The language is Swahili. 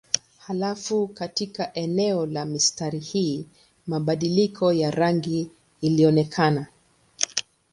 Halafu katika eneo la mistari hii mabadiliko ya rangi ilionekana.